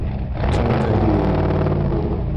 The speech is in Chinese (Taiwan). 終於可以錄音了